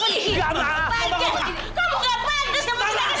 kamu gak pantas ngebutinannya satria